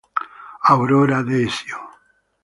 Aurora Desio